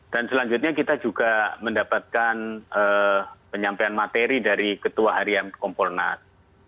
dan selanjutnya kita juga mendapatkan penyampaian materi dari ketua harian kompolnas